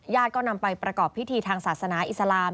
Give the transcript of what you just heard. ก็นำไปประกอบพิธีทางศาสนาอิสลาม